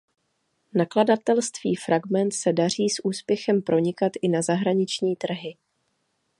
Nakladatelství Fragment se daří s úspěchem pronikat i na zahraniční trhy.